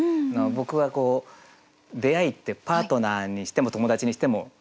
僕は出会いってパートナーにしても友達にしても